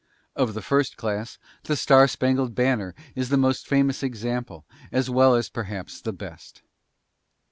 Of the first class, "The Star Spangled Banner" is the most famous example, as well as perhaps the best.